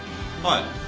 はい。